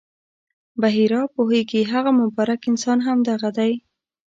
بحیرا پوهېږي هغه مبارک انسان همدغه دی.